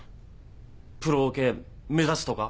プロオケ目指すとか？